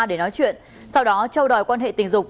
để nói chuyện sau đó châu đòi quan hệ tình dục